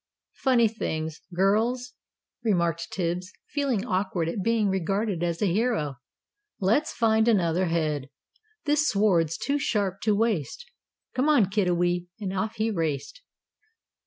"Funny things girls?" remarked Tibbs, feeling awkward at being regarded as a hero. "Let's find another head. This sword's too sharp to waste. Come on, Kiddiwee," and off he raced.